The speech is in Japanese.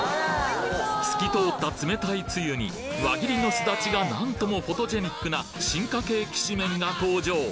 透き通った冷たいつゆに輪切りのすだちがなんともフォトジェニックな進化系きしめんが登場！